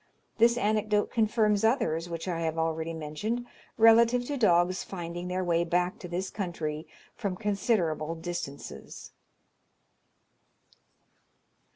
This anecdote confirms others which I have already mentioned relative to dogs finding their way back to this country from considerable distances.